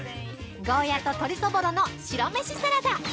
ゴーヤと鶏そぼろの白飯サラダ。